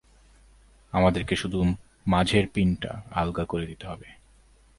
আমাদেরকে শুধু মাঝের পিনটা আলগা করে দিতে হবে।